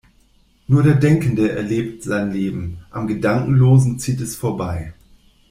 Nur der Denkende erlebt sein Leben, am Gedankenlosen zieht es vorbei.